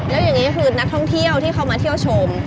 แล้วอย่างนี้คือนักท่องเที่ยวที่เขามาเที่ยวชม